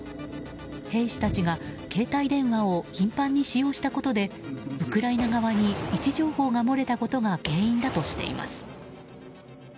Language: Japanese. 兵士たちが携帯電話を頻繁に使用したことでウクライナ側に位置情報が漏れたことが原因だとしています。